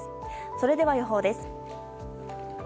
それでは予報です。